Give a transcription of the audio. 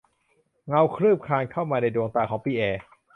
เงาคลืบคลานเข้ามาในดวงตาของปิแอร์